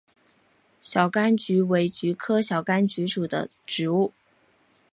小甘菊为菊科小甘菊属的植物。